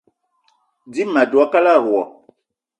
Dím ma dwé a kalada wo